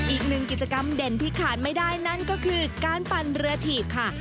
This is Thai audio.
อีกหนึ่งกิจกรรมเด่นที่ขาดไม่ได้นั่นก็คือการปั่นเรือถีบค่ะ